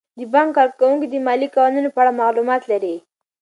د بانک کارکوونکي د مالي قوانینو په اړه معلومات لري.